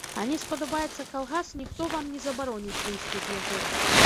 А не спадабаецца калгас, ніхто вам не забароніць выйсці з яго.